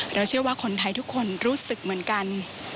เชื่อว่าคนไทยทุกคนรู้สึกเหมือนกัน